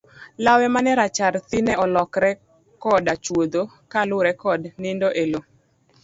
Lawe mane rachar thii ne olokore koda chuodho kaluwore koda nindo e loo.